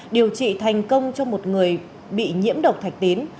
điều trị thành công cho một người bị nhiễm độc thạch tín